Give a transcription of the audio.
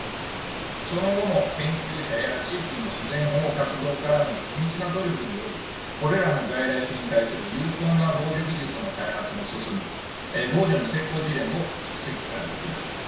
その後も研究者や地域の自然保護活動家らの地道な努力によりこれらの外来種に対する有効な防除技術の開発も進み防除の成功事例も蓄積されてきました。